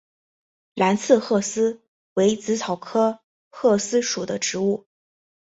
蓝刺鹤虱为紫草科鹤虱属的植物。